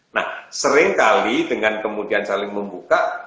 nah sering kali dengan kemudian saling membuka